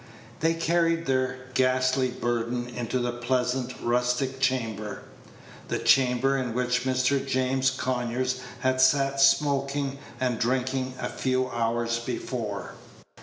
They carried their ghastly burden into the pleasant rustic chamber the chamber in which Mr. James Conyers had sat smoking and drinking a few hours before.